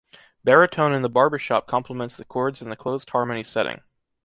Baritone in the Barbershop complements the chords in the closed harmony setting.